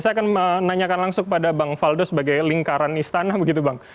saya akan menanyakan langsung pada bang faldo sebagai lingkaran istana begitu bang